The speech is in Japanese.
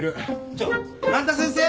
ちょっ半田先生！